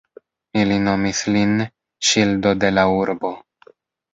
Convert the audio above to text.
Ili nomis lin "ŝildo de la urbo".